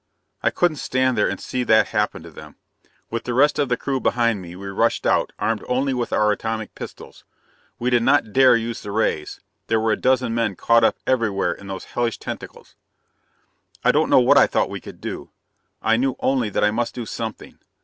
"I couldn't stand there and see that happen to them. With the rest of the crew behind me, we rushed out, armed only with our atomic pistols. We did not dare use the rays; there were a dozen men caught up everywhere in those hellish tentacles. "I don't know what I thought we could do. I knew only that I must do something.